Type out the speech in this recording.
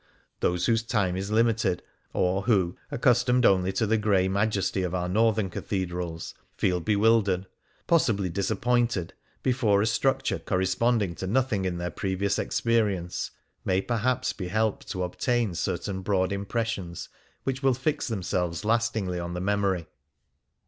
Those whose time is limited, or who, accustomed only to the grey majesty of our Northern cathedrals, feel bewildered, possibly disappointed, before a structure corresponding to nothing in their previous experience, may perhaps be helped to obtain certain broad impressions which will fix themselves lastingly on the memory.